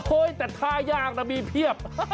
แต่ท่ายากนะมีเพียบ